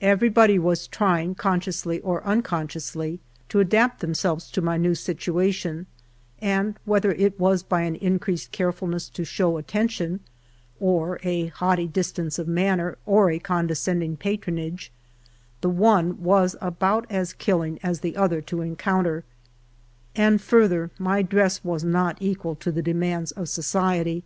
Everybody was trying, consciously or unconsciously, to adapt themselves to my new situation, and whether it was by an increased carefulness to show atten tion, or a haughty distance of manner, or a condescending patronage, the one was about as killing as the other to encounter ; and further, my dress was not equal to the de mands of society.